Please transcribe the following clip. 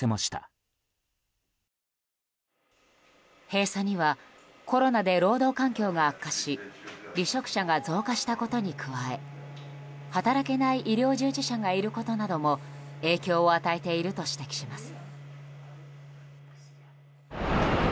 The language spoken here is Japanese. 閉鎖にはコロナで労働環境が悪化し離職者が増加したことに加え働けない医療従事者がいることなども影響を与えていると指摘します。